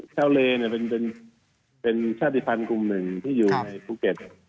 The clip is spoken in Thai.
เลเป็นชาติภัณฑ์กลุ่มหนึ่งที่อยู่ในภูเก็ต